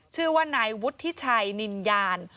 ชื่อว่านายวุฒิชัยนินยาน